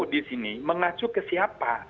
disini mengacu ke siapa